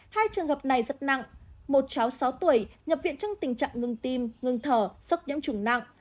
hai trường hợp này rất nặng một cháu sáu tuổi nhập viện trong tình trạng ngưng tim ngưng thở sốc nhẫm trùng nặng